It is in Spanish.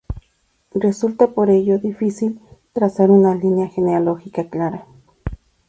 Resulta por ello difícil trazar una línea genealógica clara.